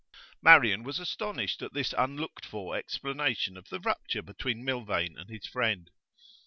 Marian was astonished at this unlooked for explanation of the rupture between Milvain and his friend.